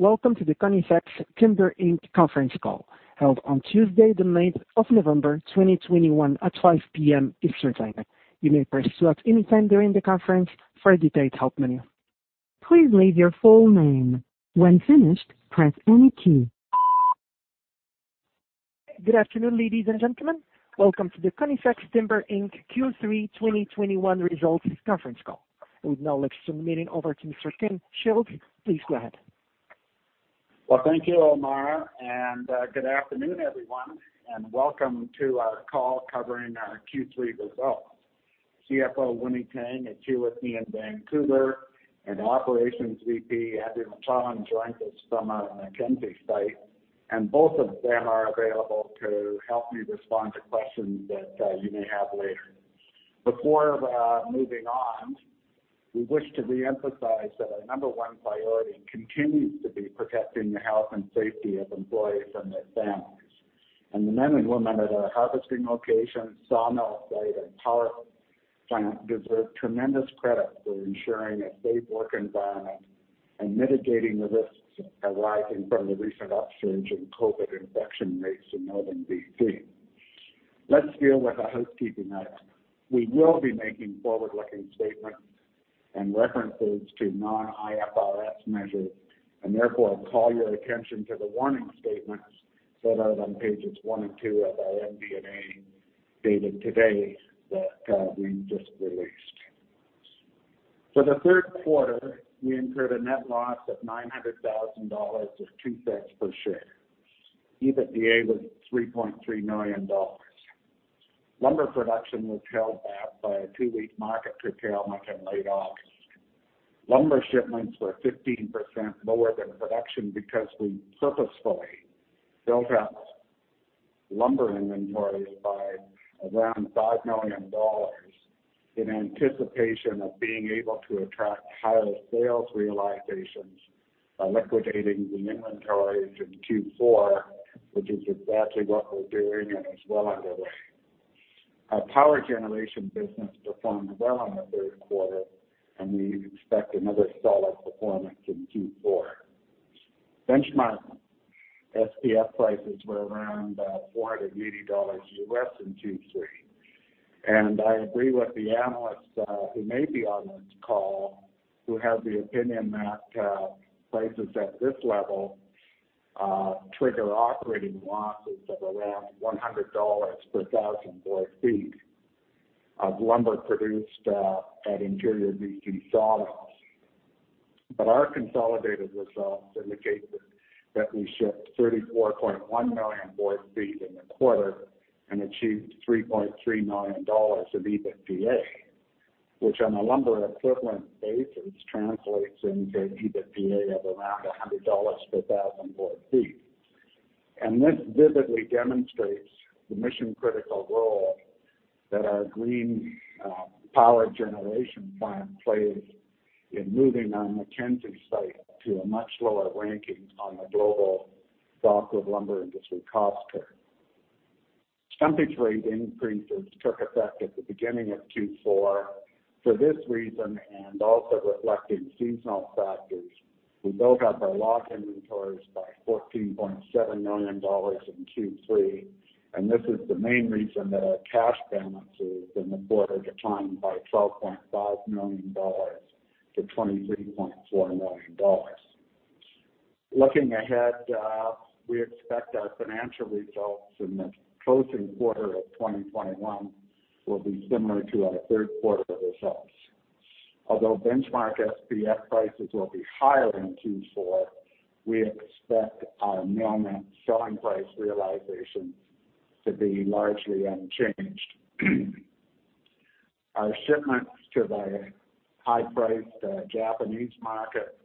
Welcome to the Conifex Timber Inc. conference call held on Tuesday, the 9th of November 2021 at 5 P.M. Eastern Time. Good afternoon, ladies and gentlemen. Welcome to the Conifex Timber Inc. Q3 2021 results conference call. I would now like to turn the meeting over to Mr. Ken Shields. Please go ahead. Well, thank you, Omar, and good afternoon, everyone, and welcome to our call covering our Q3 results. CFO Winnie Tang is here with me in Vancouver, and Operations VP Andrew McLellan joins us from our Mackenzie site, and both of them are available to help me respond to questions that you may have later. Before moving on, we wish to re-emphasize that our number one priority continues to be protecting the health and safety of employees and their families. The men and women at our harvesting locations, sawmill site, and power plant deserve tremendous credit for ensuring a safe work environment and mitigating the risks arising from the recent upsurge in COVID infection rates in northern BC. Let's deal with a housekeeping item. We will be making forward-looking statements and references to non-IFRS measures, and therefore I call your attention to the warning statements that are on pages one and two of our MD&A dated today that we just released. For the third quarter, we incurred a net loss of 900,000 dollars or 0.02 Per share. EBITDA was 3.3 million dollars. Lumber production was held back by a two week market curtailment in late August. Lumber shipments were 15% lower than production because we purposefully built up lumber inventories by around 5 million dollars in anticipation of being able to attract higher sales realizations by liquidating the inventories in Q4, which is exactly what we're doing and is well underway. Our power generation business performed well in the third quarter, and we expect another solid performance in Q4. Benchmark SPF prices were around $480 in Q3. I agree with the analysts who may be on this call who have the opinion that prices at this level trigger operating losses of around $100 per thousand board feet of lumber produced at interior BC sawmills. Our consolidated results indicate that we shipped 34.1 million board feet in the quarter and achieved $3.3 million of EBITDA, which on a lumber-equivalent basis translates into EBITDA of around $100 per thousand board feet. This vividly demonstrates the mission-critical role that our green power generation plant plays in moving our Mackenzie site to a much lower ranking on the global softwood lumber industry cost curve. Stumpage rate increases took effect at the beginning of Q4. For this reason, and also reflecting seasonal factors, we built up our log inventories by 14.7 million dollars in Q3, and this is the main reason that our cash balances in the quarter declined by 12.5 million-23.4 million dollars. Looking ahead, we expect our financial results in the closing quarter of 2021 will be similar to our third quarter results. Although benchmark SPF prices will be higher in Q4, we expect our mill net selling price realizations to be largely unchanged. Our shipments to the high-priced Japanese market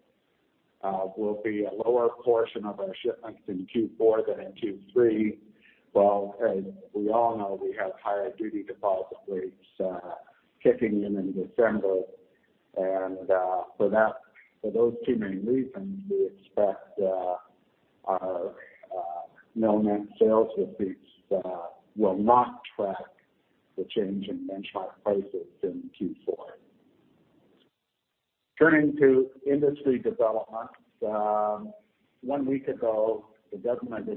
will be a lower portion of our shipments in Q4 than in Q3. Well, as we all know, we have higher duty deposit rates kicking in in December, and for those two main reasons, we expect our mill net sales receipts will not track the change in benchmark prices in Q4. Turning to industry developments, one week ago, the government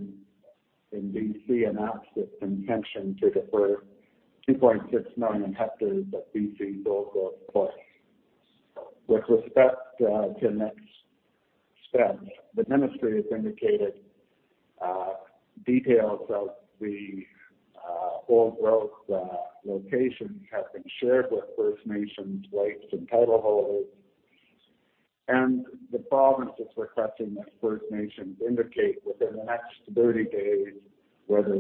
in BC announced its intention to defer 2.6 million hectares of BC's old-growth forest. With respect to next steps, the ministry has indicated details of the old-growth locations have been shared with First Nations rights and title holders. The province is requesting that First Nations indicate within the next 30 days whether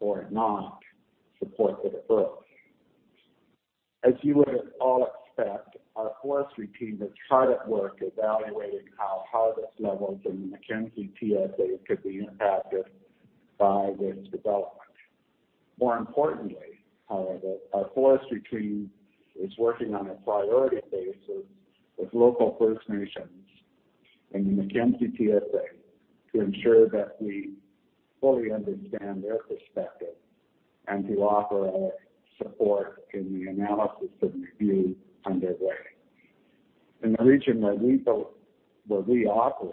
or not they support the deferral. As you would all expect, our forestry team is hard at work evaluating how harvest levels in the Mackenzie TSA could be impacted by this development. More importantly, however, our forestry team is working on a priority basis with local First Nations in the Mackenzie TSA to ensure that we fully understand their perspective and to offer our support in the analysis and review underway. In the region where we operate,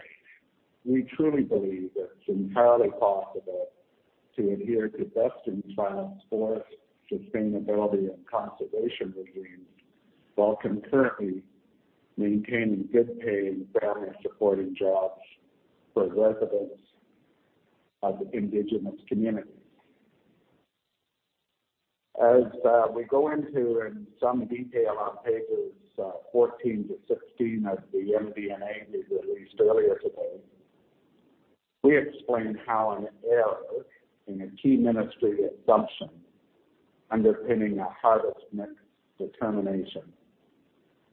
we truly believe that it's entirely possible to adhere to best-in-class forest sustainability and conservation regimes, while concurrently maintaining good paying, family supporting jobs for the residents of Indigenous communities. As we go into in some detail on pages 14-16 of the MD&A we released earlier today, we explained how an error in a key ministry assumption underpinning a harvest mix determination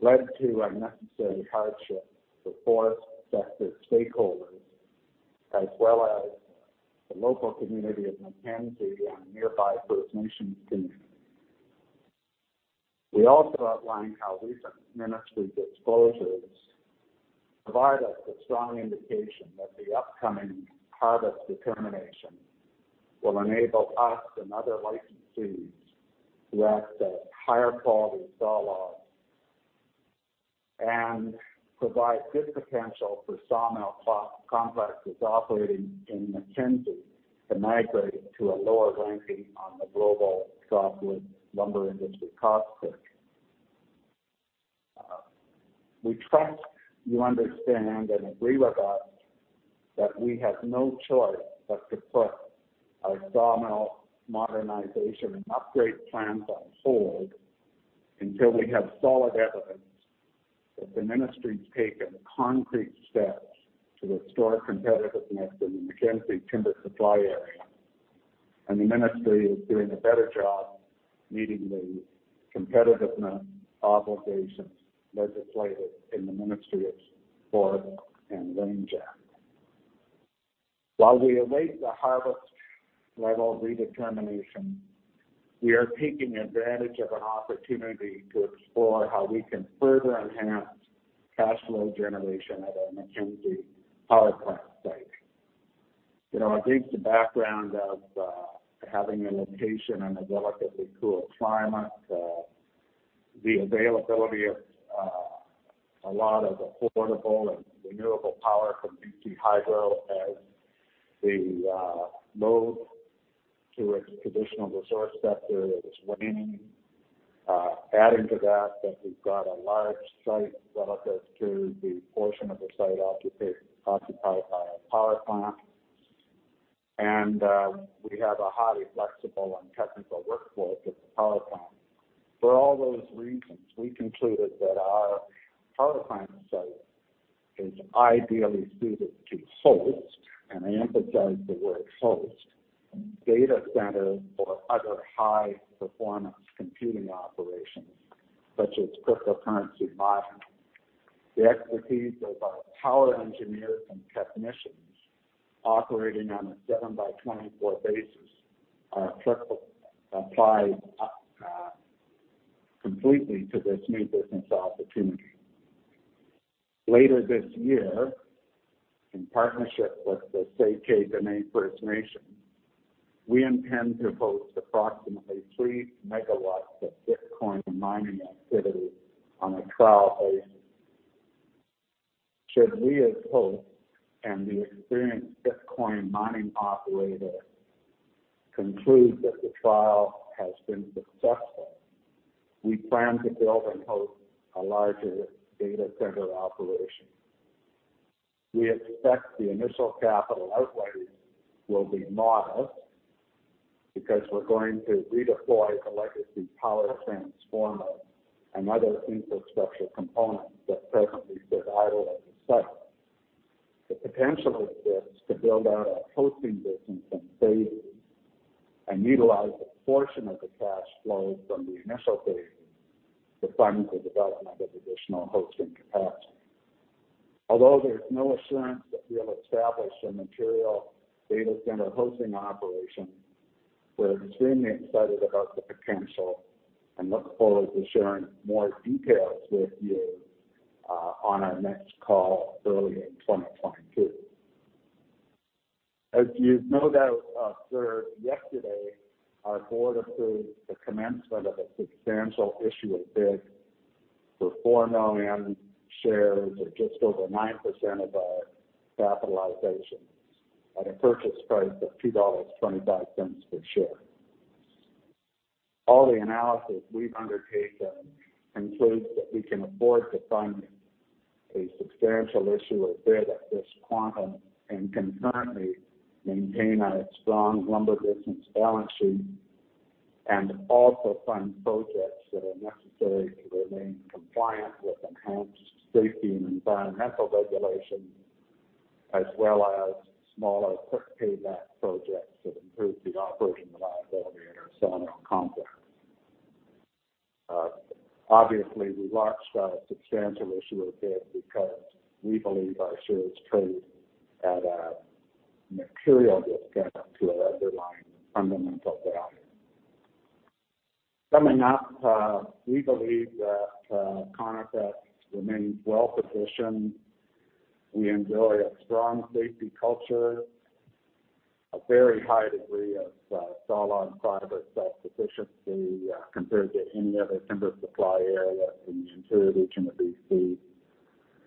led to unnecessary hardship for forest sector stakeholders, as well as the local community of Mackenzie and nearby First Nations communities. We also outlined how recent ministry disclosures provide us with strong indication that the upcoming harvest determination will enable us and other licensees to access higher quality sawlog, and provide good potential for sawmill complexes operating in Mackenzie to migrate to a lower ranking on the global softwood lumber industry cost curve. We trust you understand and agree with us that we have no choice but to put our sawmill modernization and upgrade plans on hold until we have solid evidence that the ministry's taken concrete steps to restore competitiveness in the Mackenzie Timber Supply Area, and the ministry is doing a better job meeting the competitiveness obligations legislated in the Ministry of Forests and Range Act. While we await the harvest level redetermination, we are taking advantage of an opportunity to explore how we can further enhance cash flow generation at our Mackenzie power plant site. You know, against the background of having a location in a relatively cool climate, the availability of a lot of affordable and renewable power from BC Hydro as the load to its traditional resource sector is waning. Adding to that, we've got a large site relative to the portion of the site occupied by our power plant. We have a highly flexible and technical workforce at the power plant. For all those reasons, we concluded that our power plant site is ideally suited to host, and I emphasize the word host, data centers or other high performance computing operations such as cryptocurrency mining. The expertise of our power engineers and technicians operating on a 7 by 24 basis apply completely to this new business opportunity. Later this year, in partnership with the Tsay Keh Dene First Nation, we intend to host approximately 3 MW of bitcoin mining activity on a trial basis. Should we as host and the experienced bitcoin mining operator conclude that the trial has been successful, we plan to build and host a larger data center operation. We expect the initial capital outlay will be modest because we're going to redeploy the legacy power transformer and other infrastructure components that presently sit idle at the site. The potential exists to build out our hosting business in phases and utilize a portion of the cash flow from the initial phase to fund the development of additional hosting capacity. Although there's no assurance that we'll establish a material data center hosting operation, we're extremely excited about the potential and look forward to sharing more details with you on our next call early in 2022. As you no doubt observed yesterday, our board approved the commencement of a substantial issuer bid for 4 million shares at just over 9% of our capitalization at a purchase price of 2.25 dollars per share. All the analysis we've undertaken concludes that we can afford to fund a substantial issuer bid at this quantum and concurrently maintain our strong lumber business balance sheet and also fund projects that are necessary to remain compliant with enhanced safety and environmental regulations, as well as smaller quick payback projects that improve the operating reliability at our sawmill complex. Obviously, we launched a substantial issuer bid because we believe our shares trade at a material discount to our underlying fundamental value. Summing up, we believe that Conifex remains well positioned. We enjoy a strong safety culture, a very high degree of sawlog fiber self-sufficiency compared to any other timber supply area in the interior region of BC.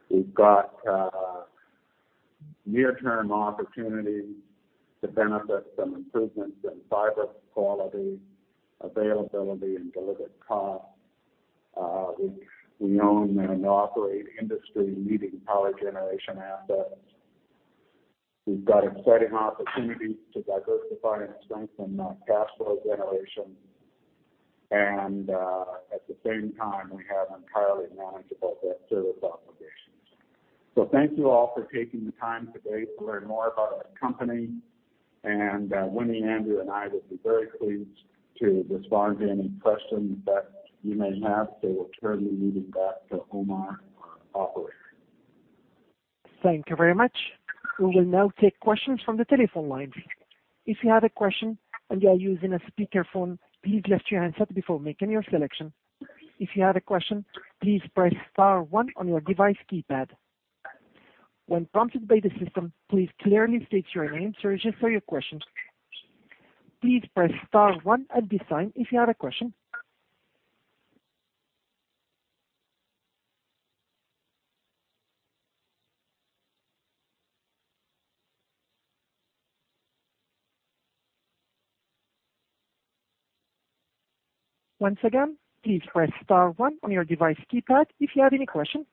We've got near-term opportunities to benefit from improvements in fiber quality, availability, and delivered cost. We own and operate industry-leading power generation assets. We've got exciting opportunities to diversify and strengthen our cash flow generation. At the same time, we have entirely manageable debt service obligations. Thank you all for taking the time today to learn more about our company. Winnie, Andrew, and I will be very pleased to respond to any questions that you may have. They will turn the meeting back to Omar, our operator. Thank you very much. We will now take questions from the telephone lines. If you have a question and you are using a speakerphone, please mute your handset before making your selection. If you have a question, please press star one on your device keypad. When prompted by the system, please clearly state your name and your question. Please press star one at this time if you have a question. Once again, please press star one on your device keypad if you have any question.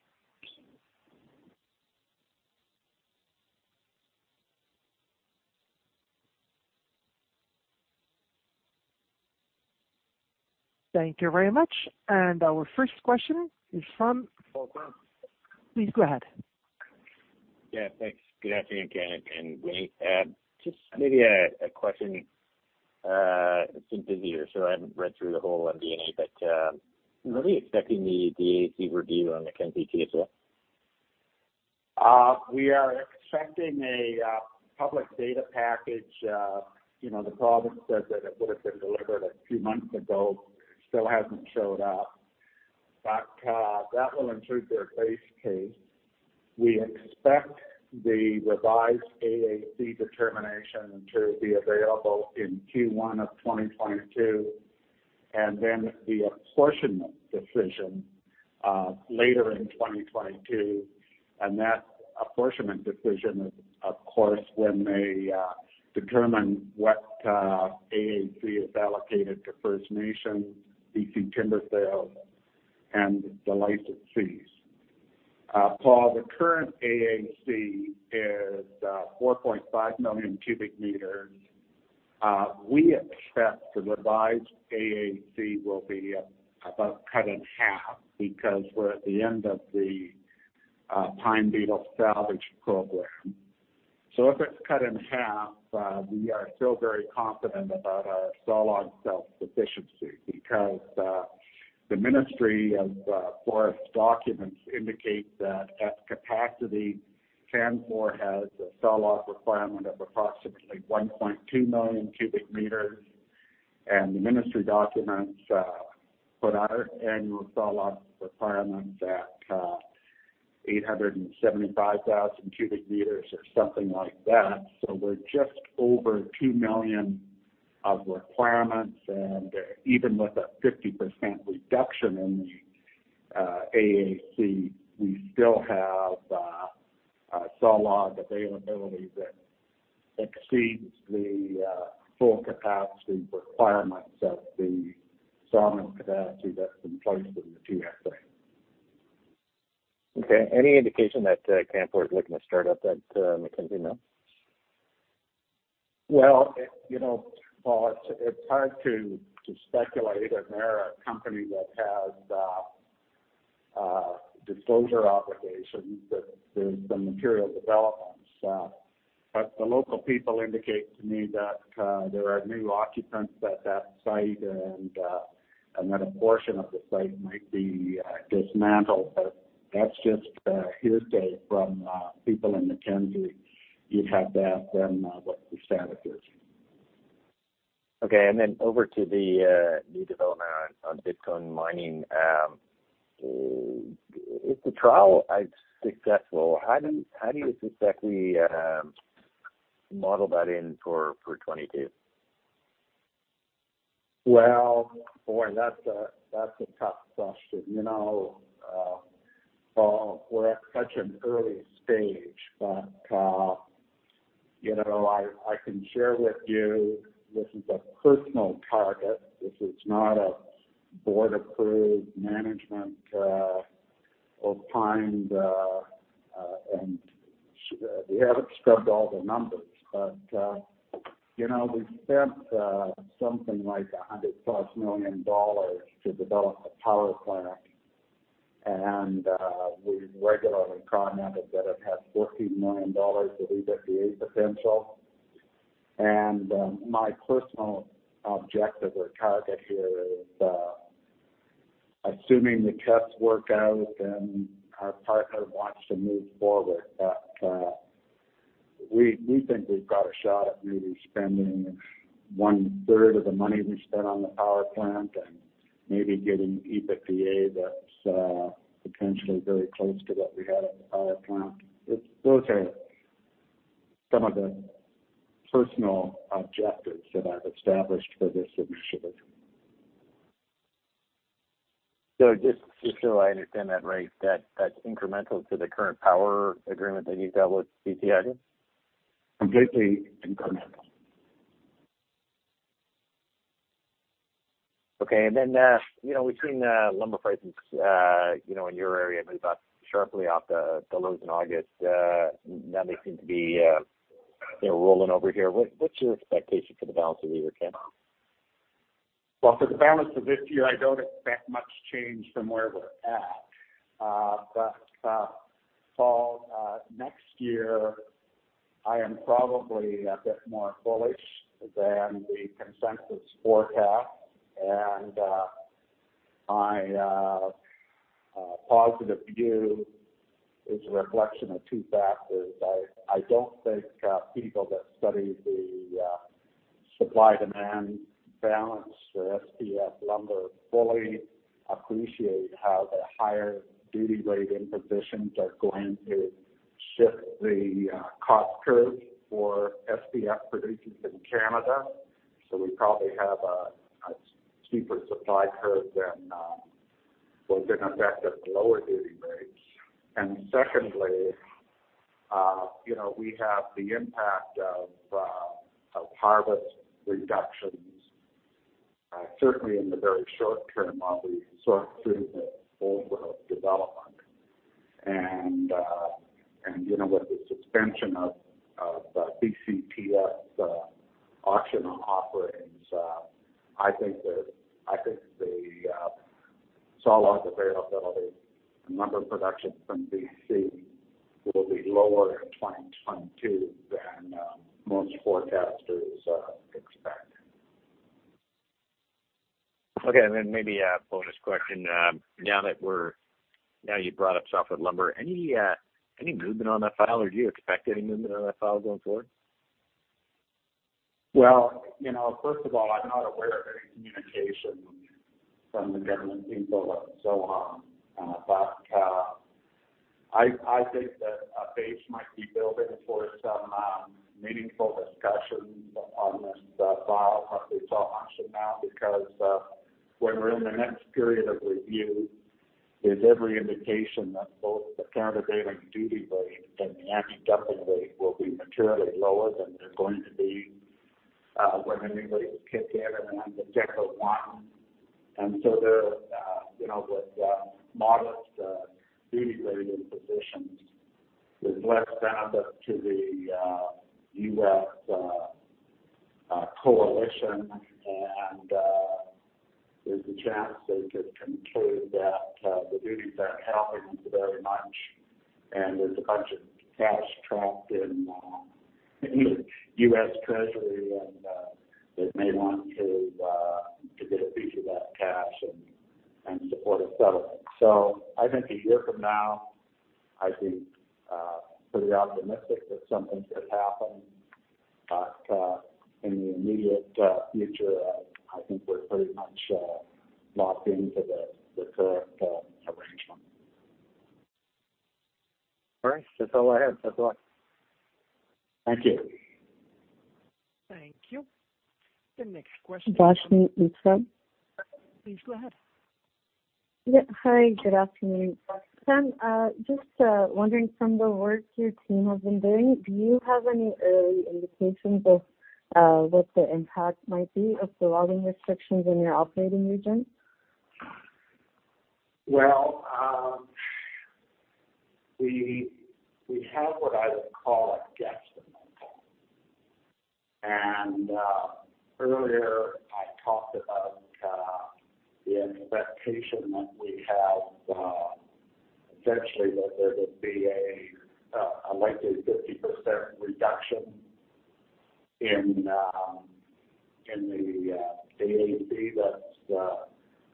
Thank you very much. Our first question is from- Paul Quinn. Please go ahead. Yeah, thanks. Good afternoon, Ken and Winnie. Just maybe a question. It's been busier, so I haven't read through the whole MD&A, but when are we expecting the AAC review on Mackenzie TSA? We are expecting a public data package, you know, the province says that it would have been delivered a few months ago, still hasn't showed up. That will include their base case. We expect the revised AAC determination to be available in Q1 of 2022, and then the apportionment decision later in 2022. That apportionment decision is, of course, when they determine what AAC is allocated to First Nations, BC Timber Sales, and the licensees. Paul, the current AAC is 4.5 million m³. We expect the revised AAC will be about cut in half because we're at the end of the pine beetle salvage program. If it's cut in half, we are still very confident about our sawlog self-sufficiency because the Ministry of Forests documents indicate that at capacity, Canfor has a sawlog requirement of approximately 1.2 million cubic meters. The ministry documents put our annual sawlog requirements at 875,000 cubic meters or something like that. We're just over 2 million of requirements. Even with a 50% reduction in the AAC, we still have sawlog availability that exceeds the full capacity requirements of the sawmill capacity that's in place in the TSA. Okay. Any indication that Canfor is looking to start up at Mackenzie Mill? Well, you know, Paul, it's hard to speculate, and they're a company that has disclosure obligations that there's some material developments. The local people indicate to me that there are new occupants at that site and that a portion of the site might be dismantled. That's just hearsay from people in Mackenzie. You'd have to ask them what the status is. Okay. Over to the new development on Bitcoin mining. If the trial is successful, how do you exactly model that in for 2022? Well, boy, that's a tough question. You know, Paul, we're at such an early stage. You know, I can share with you, this is a personal target. This is not a board-approved management or timed and we haven't scrubbed all the numbers. You know, we've spent something like 100+ million dollars to develop the power plant. We've regularly commented that it has CAD 14 million of EBITDA potential. My personal objective or target here is assuming the tests work out and our partner wants to move forward, we think we've got a shot at maybe spending one third of the money we spent on the power plant and maybe getting EBITDA that's potentially very close to what we had on the power plant. Those are some of the personal objectives that I've established for this initiative. Just so I understand that right, that's incremental to the current power agreement that you've got with BC Hydro? Completely incremental. Okay. You know, we've seen lumber prices you know, in your area move up sharply off the lows in August. Now they seem to be you know, rolling over here. What's your expectation for the balance of the year, Ken? Well, for the balance of this year, I don't expect much change from where we're at. For next year, I am probably a bit more bullish than the consensus forecast. My positive view is a reflection of two factors. I don't think people that study the supply-demand balance for SPF lumber fully appreciate how the higher duty rate impositions are going to shift the cost curve for SPF producers in Canada. We probably have a steeper supply curve than was in effect at the lower duty rates. Secondly, you know, we have the impact of harvest reductions certainly in the very short term while we sort through the overage development. You know, with the suspension of BCTS's auction offerings, I think the sawlog availability and lumber production from BC will be lower in 2022 than most forecasters expect. Okay. Maybe a bonus question. Now you've brought up softwood lumber. Any movement on that file, or do you expect any movement on that file going forward? Well, you know, first of all, I'm not aware of any communication from the government in Ottawa and so on. I think that a base might be building for some meaningful discussions on this file, partly we saw action now because when we're in the next period of review, there's every indication that both the Canada-U.S. duty rate and the antidumping rate will be materially lower than they're going to be when anybody would kick in on December 1. There you know, with modest duty rate impositions, there's less benefit to the U.S. coalition and there's a chance they could conclude that the duties aren't helping very much. There's a bunch of cash trapped in U.S. Treasury and they may want to get a piece of that cash and support a settlement. I think a year from now, I'd be pretty optimistic that something could happen. In the immediate future, I think we're pretty much locked into the current arrangement. All right. That's all I have. Thanks a lot. Thank you. Thank you. The next question. Hamir Patel. Please go ahead. Yeah. Hi. Good afternoon. Sam, just wondering from the work your team has been doing, do you have any early indications of what the impact might be of the logging restrictions in your operating region? Well, we have what I would call a guesstimate. Earlier, I talked about the expectation that we have essentially that there would be a likely 50% reduction in the AAC that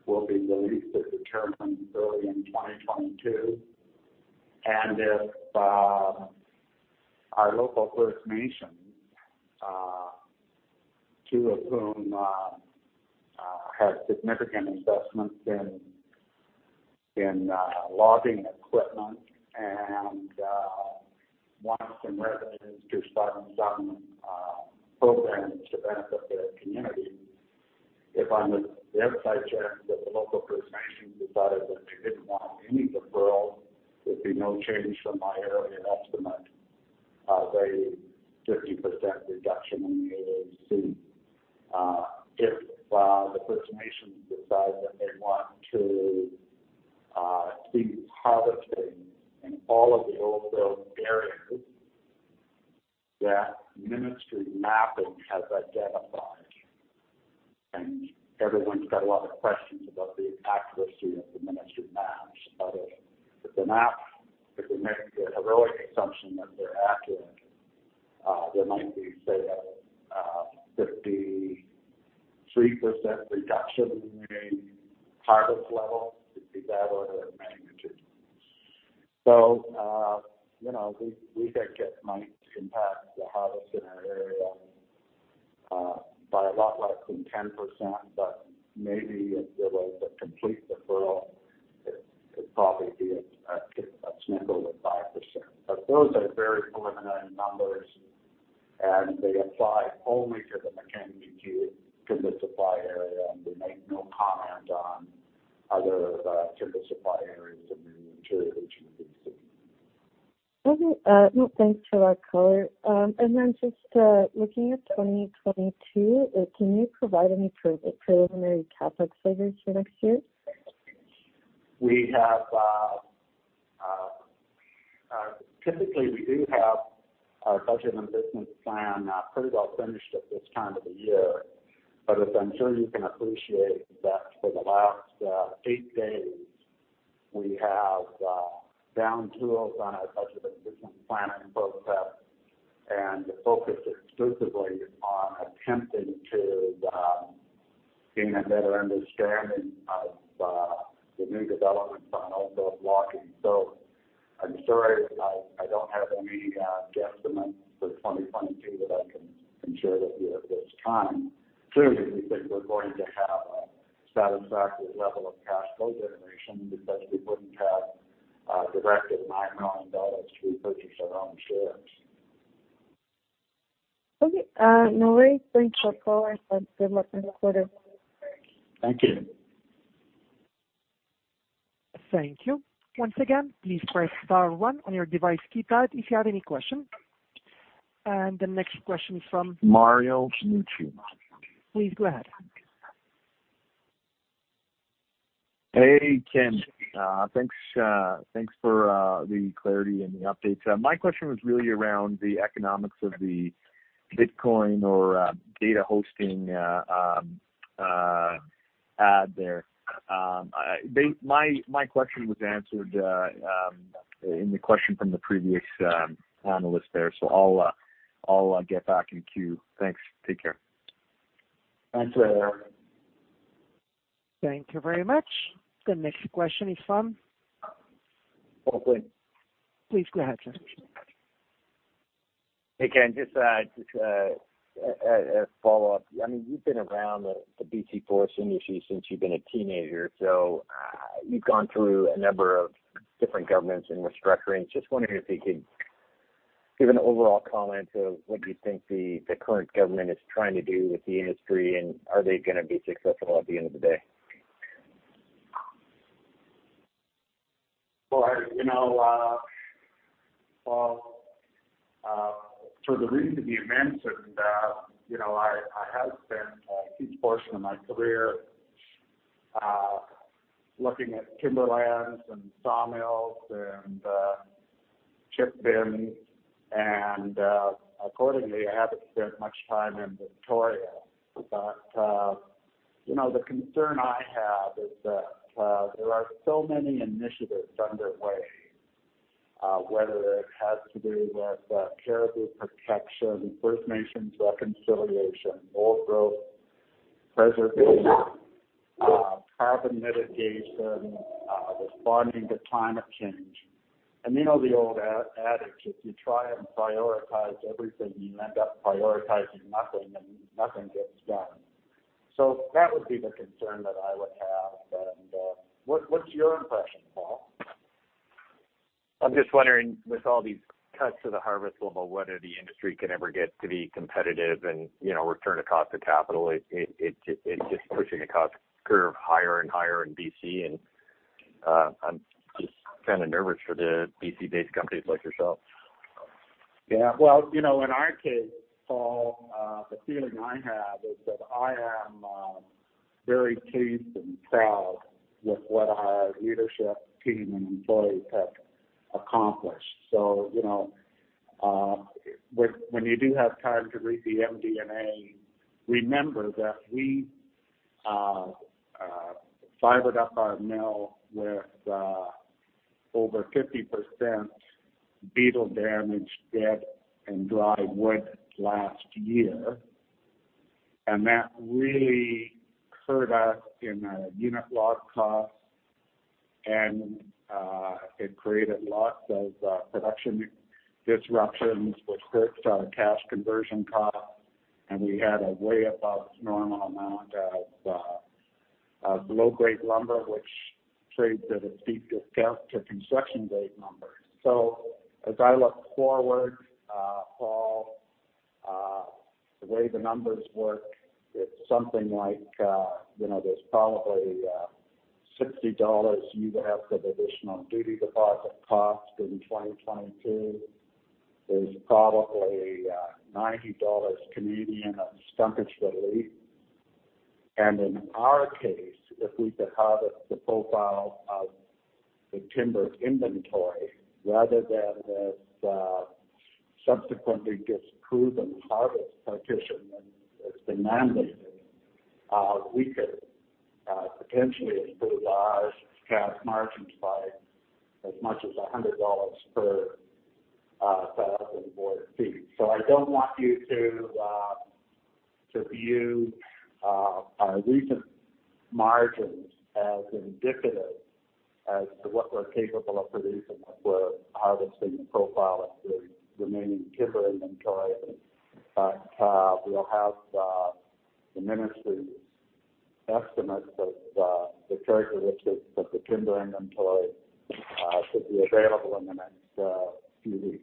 will be released at the turn from early in 2022. If our local First Nations, two of whom have significant investments in logging equipment and want some revenues to start some programs to benefit their community. If on the other side, Josh, that the local First Nations decided that they didn't want any deferral, there'd be no change from my earlier estimate of a 50% reduction in the AAC. If the First Nations decide that they want to be harvesting in all of the overage areas that ministry mapping has identified, and everyone's got a lot of questions about the accuracy of that. If we make the heroic assumption that they're accurate, there might be, say, a 53% reduction in harvest levels. It'd be that order of magnitude. You know, we think it might impact the harvest in our area by a lot less than 10%, but maybe if there was a complete deferral it could probably be 5%. Those are very preliminary numbers, and they apply only to the Mackenzie Timber Supply Area, and they make no comment on other timber supply areas in the interior of BC. Okay. No, thanks for that color. Then just looking at 2022, can you provide any preliminary CapEx figures for next year? Typically, we do have our budget and business plan pretty well finished at this time of the year. As I'm sure you can appreciate that for the last eight days, we have downed tools on our budget and business planning process and focused exclusively on attempting to gain a better understanding of the new developments on old growth logging. I'm sorry, I don't have any guesstimate for 2022 that I can share with you at this time. Clearly, we think we're going to have a satisfactory level of cash flow generation because we wouldn't have directed 9 million dollars to repurchase our own shares. Okay. No worries. Thanks for calling, and good luck in the quarter. Thank you. Thank you. Once again, please press star one on your device keypad if you have any questions. The next question is from- Mario Cannucci. Please go ahead. Hey, Ken. Thanks for the clarity and the updates. My question was really around the economics of the bitcoin or data hosting add there. My question was answered in the question from the previous panelist there. I'll get back in queue. Thanks. Take care. Thanks, Mario. Thank you very much. The next question is from- Paul Quinn. Please go ahead, sir. Hey, Ken. Just a follow-up. I mean, you've been around the BC forest industry since you've been a teenager. So, you've gone through a number of different governments and restructuring. Just wondering if you could give an overall comment of what you think the current government is trying to do with the industry, and are they gonna be successful at the end of the day? Well, you know, Paul, for the reason you mentioned, you know, I have spent a huge portion of my career, looking at timberlands and sawmills and, chip bins. You know, the concern I have is that, there are so many initiatives underway, whether it has to do with, caribou protection, First Nations reconciliation, old growth preservation, carbon mitigation, responding to climate change. You know the old adage, if you try and prioritize everything, you end up prioritizing nothing, and nothing gets done. That would be the concern that I would have. What's your impression, Paul? I'm just wondering, with all these cuts to the harvest level, whether the industry can ever get to be competitive and, you know, return to cost of capital. It's just pushing the cost curve higher and higher in BC. I'm just kind of nervous for the BC-based companies like yourself. Yeah. Well, you know, in our case, Paul, the feeling I have is that I am very pleased and proud with what our leadership team and employees have accomplished. You know, when you do have time to read the MD&A, remember that we fed our mill with over 50% beetle damaged, dead, and dry wood last year. That really hurt us in unit log costs and it created lots of production disruptions which hurts our cash conversion costs. We had a way above normal amount of low-grade lumber, which trades at a steep discount to construction-grade lumber. As I look forward, Paul, the way the numbers work, it's something like, you know, there's probably $60 of additional duty deposit costs in 2022. There's probably CAD 90 of tonnage relief. In our case, if we could harvest the profile of the timber inventory rather than this subsequently disproven harvest partition that's been mandated, we could potentially improve our cash margins by as much as 100 dollars per 1,000 board ft. I don't want you to view our recent margins as indicative as to what we're capable of producing if we're harvesting the profile of the remaining timber inventory. We'll have the Ministry's estimates of the characteristics of the timber inventory, should be available in the next few weeks.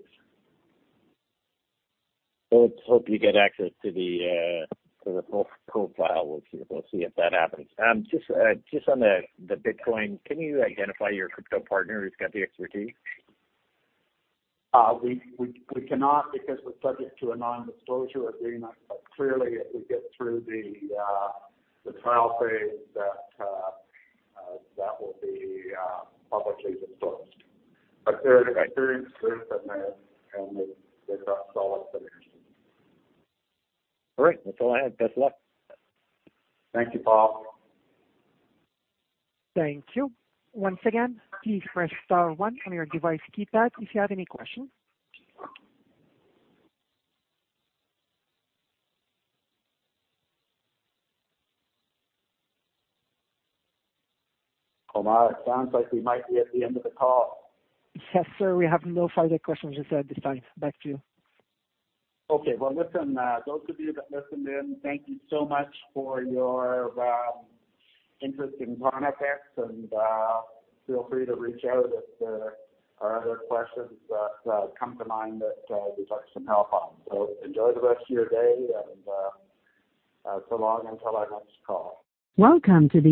Let's hope you get access to the full profile. We'll see if that happens. Just on the bitcoin, can you identify your crypto partner who's got the expertise? We cannot because we're subject to a non-disclosure agreement. Clearly, if we get through the trial phase that will be publicly disclosed. They're an experienced partner, and they've got solid credentials. All right. That's all I have. Best of luck. Thank you, Paul. Thank you. Once again, please press star one on your device keypad if you have any questions. Omar, it sounds like we might be at the end of the call. Yes, sir. We have no further questions at this time. Back to you. Okay. Well, listen, those of you that listened in, thank you so much for your interest in Conifex. Feel free to reach out if there are other questions that come to mind that we can help on. Enjoy the rest of your day, and so long until our next call. Welcome to the-